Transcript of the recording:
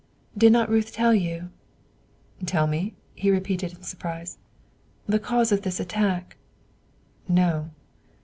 "Did not Ruth tell you?" "Tell me?" he repeated in surprise. "Of the cause of this attack?" "No."